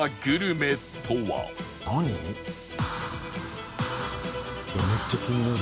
めっちゃ気になる。